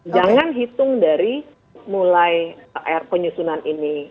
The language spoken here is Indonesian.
jangan hitung dari mulai pr penyusunan ini